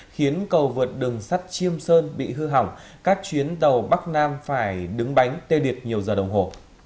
khiến cầu vượt đường sắt chiêm sơn bị hư hỏng các chuyến tàu bắc nam phải đứng bánh tê liệt nhiều giờ đồng hồ